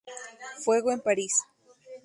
Fuego en París.